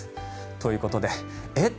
ということでえっ？